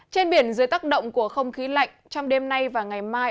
trên biển dưới tác động của không khí lạnh trong đêm nay và ngày mai